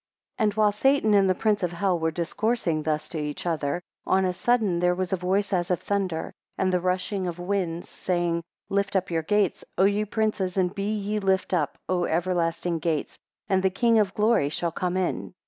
AND while Satan and the Prince of hell were discoursing thus to each other, on a sudden there was a voice as of thunder, and the rushing of winds, saying, Lift up your gates, O ye princes; and be ye lift up, O everlasting gates, and the King of Glory shall come in.